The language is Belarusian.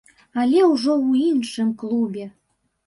Але ўжо ў іншым клубе.